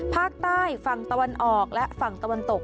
ภาคใต้ฝั่งตะวันออกและฝั่งตะวันตก